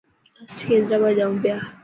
اسين حيدرآباد جائو پيا.